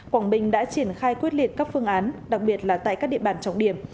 quảng bình đã triển khai quyết liệt các phương án đặc biệt là tại các địa bàn trọng điểm